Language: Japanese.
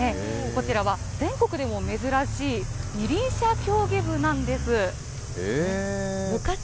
こちらは全国でも珍しい二輪車競技部なんです。